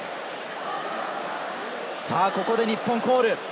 さぁここで日本コール！